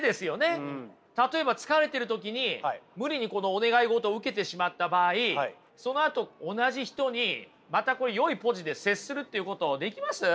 例えば疲れてる時に無理にこのお願い事を受けてしまった場合そのあと同じ人にまたこれよいポジで接するっていうことできます？